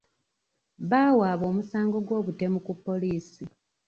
Baawaaba omusango gw'obutemu ku poliisi.